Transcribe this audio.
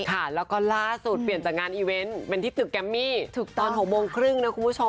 ค่ะแล้วก็ล่าสุดเปลี่ยนจากงานอีเวนต์เป็นที่ตึกแกมมี่ตอน๖โมงครึ่งนะคุณผู้ชม